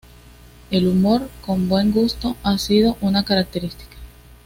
El humor con buen gusto ha sido su característica.